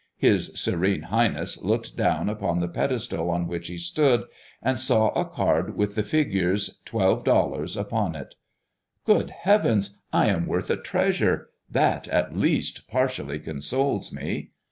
His Serene Highness looked down upon the pedestal on which he stood, and saw a card with the figures $12.00 upon it. "Good heavens! I am worth a treasure! That, at least, partially consoles one."